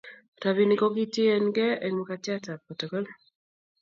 rabinik ko kitiengei eng' mkatiat ab kotugul